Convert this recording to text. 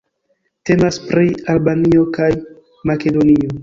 Temas pri Albanio kaj Makedonio.